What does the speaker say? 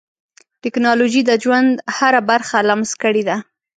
ټکنالوجي د ژوند هره برخه لمس کړې ده.